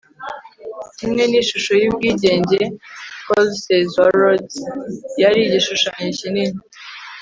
kimwe n'ishusho y'ubwigenge, colosus wa rhodes yari igishusho kinini